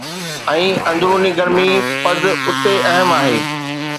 ۽ اندروني گرمي پد اتي اهم آهي